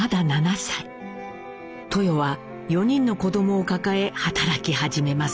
豊は４人の子どもを抱え働き始めます。